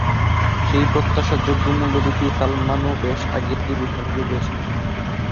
সেই প্রত্যাশার যোগ্য মূল্য দিতেই সালমানও বেশ আগে থেকে পরিশ্রম শুরু করেছেন।